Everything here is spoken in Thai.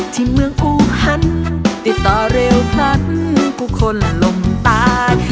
ที่เมืองอูฮันติดต่อเร็วทันกูคนละลมตา